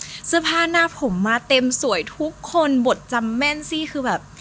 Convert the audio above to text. เสื้อผ้าหน้าผมมาเต็มสวยทุกคนบทจำแม่นสิคือแบบ